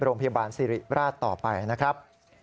โรงพยาบาลสิริราชต่อไปนะครับ